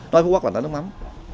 nói phú quốc là nước mắm